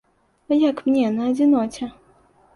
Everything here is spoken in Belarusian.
А як мне, на адзіноце?